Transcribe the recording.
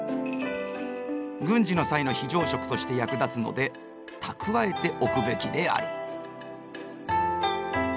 軍事の際の非常食として役立つので蓄えておくべきである。